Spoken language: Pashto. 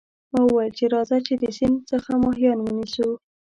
ما وویل چې راځه چې د سیند څخه ماهیان ونیسو.